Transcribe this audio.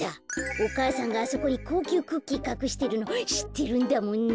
お母さんがあそこにこうきゅうクッキーかくしてるのしってるんだもんね。